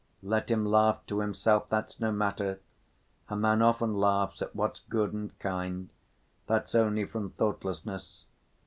Let him laugh to himself, that's no matter, a man often laughs at what's good and kind. That's only from thoughtlessness.